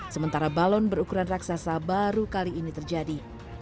sementara balon berukuran raksasa baru kali ini terjadi